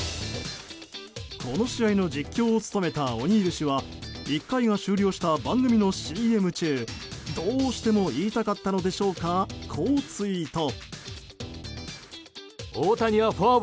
この試合の実況を務めたオニール氏は１回が終了した番組のＣＭ中どうしても言いたかったのでしょうかこうツイート。